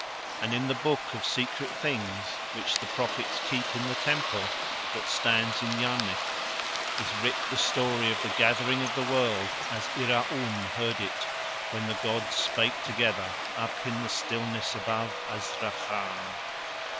And in the Book of Secret Things which the prophets keep in the Temple that stands in Yarnith is writ the story of the gathering of the world as Iraun heard it when the gods spake together, up in the stillness above Azrakhan.